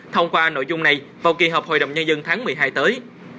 thông qua nội dung này vào kỳ họp hội đồng nhân dân tháng một mươi hai tới